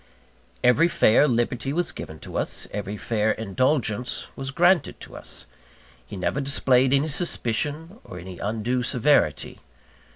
Every fair liberty was given to us; every fair indulgence was granted to us. He never displayed any suspicion, or any undue severity.